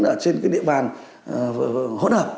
ở trên cái địa bàn hỗn hợp